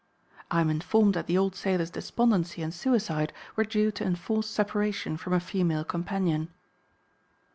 I am informed that the old sailor's despondency and suicide were due to enforced separation from a female companion.